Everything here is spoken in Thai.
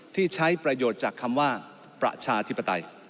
ที่ใช้ประโยชน์จากคำว่าประชาธิปไตย